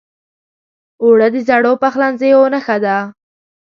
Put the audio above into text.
اوړه د زړو پخلنځیو نښه ده